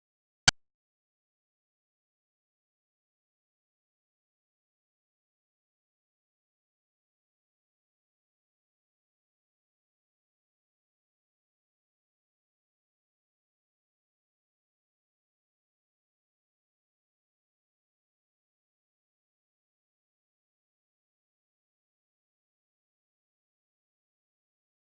โปรดติดตามตอนต่อไป